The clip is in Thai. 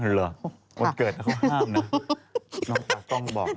เหรอวันเกิดเขาห้ามนะนอกจากกล้องบอก